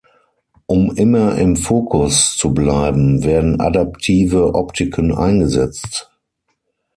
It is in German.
Um immer im Fokus zu bleiben, werden adaptive Optiken eingesetzt.